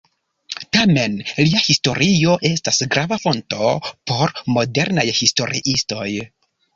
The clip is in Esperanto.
Tamen lia historio estas grava fonto por modernaj historiistoj.